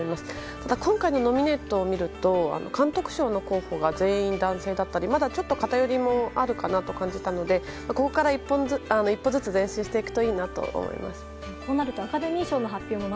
ただ今回のノミネートを見ると監督賞の候補が全員、男性だったりまだちょっと偏りもあるかなと感じたのでここから一歩ずつ前進していくといいと思います。